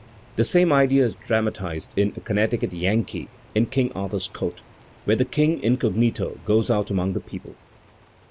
The same idea is dramatized in "A Comiecticut Yankee in King Arthur's Court," where the king, incognito, goes out among the people.